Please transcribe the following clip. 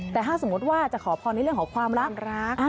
แต่ถ้าสมมติว่าจะขอพรในเรื่องของความรัก